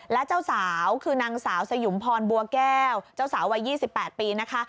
และเจ้าสาวคือนางสาวสยุมพรบัวแก้วเจ้าสาววัย๒๘ปีนะคะ